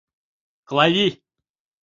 Клавий.